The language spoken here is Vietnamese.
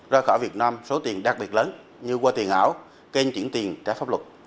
ra khỏi việt nam số tiền đặc biệt lớn như qua tiền ảo kênh chuyển tiền trả pháp luật